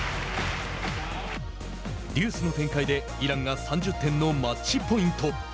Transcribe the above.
デュースの展開でイランが３０点のマッチポイント。